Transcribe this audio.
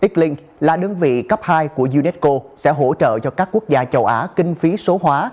ekling là đơn vị cấp hai của unesco sẽ hỗ trợ cho các quốc gia châu á kinh phí số hóa